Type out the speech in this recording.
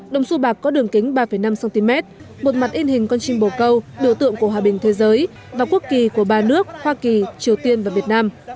đồng su bạc có đường kính ba năm cm một mặt in hình con chim bồ câu biểu tượng của hòa bình thế giới và quốc kỳ của ba nước hoa kỳ triều tiên và việt nam